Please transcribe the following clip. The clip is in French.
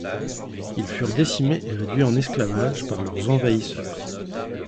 Ils furent décimés et réduits en esclavage par leurs envahisseurs.